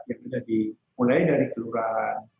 jadi mulai dari kelurahan